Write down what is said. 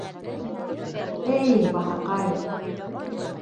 Эй бахырҡай!